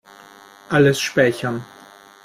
Alles speichern.